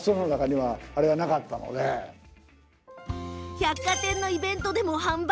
百貨店のイベントでも販売。